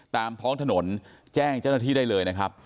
ตามท้องถนนแจ้งเจ้าหน้าที่ได้เลยนะครับ